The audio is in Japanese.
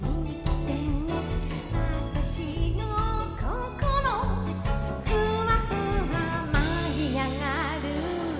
「わたしのココロふわふわ舞い上がる」